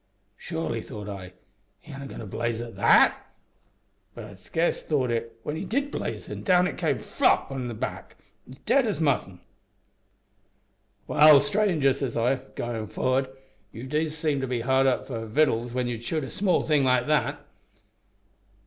`Surely,' thought I, `he ain't a goin' to blaze at that!' But I'd scarce thought it when he did blaze at it an' down it came flop on its back, as dead as mutton! "`Well, stranger,' says I, goin' for'ard, `you do seem to be hard up for victuals when you'd shoot a small thing like that!'